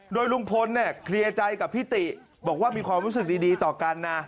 โดยลุงพลเครียดใจกับภิติบอกว่ามีความรู้สึกดีต่อกัน